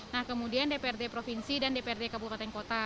nah kemudian dprd provinsi dan dprd kabupaten kota